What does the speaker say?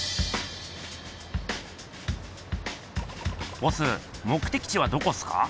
ボス目的地はどこっすか？